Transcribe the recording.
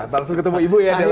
langsung ketemu ibu ya